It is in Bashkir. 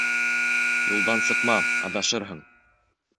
Юлдан сыҡма, аҙашырһың.